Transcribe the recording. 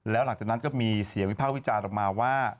แล้วหลังจากนั้นก็มีเสียงวิภาควิจารณ์ออกมาว่า